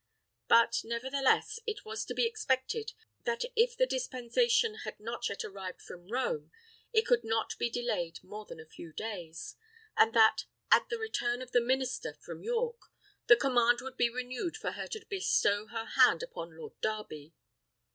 But, nevertheless, it was to be expected that if the dispensation had not yet arrived from Rome, it could not be delayed more than a few days; and that, at the return of the minister from York, the command would be renewed for her to bestow her hand upon Lord Darby.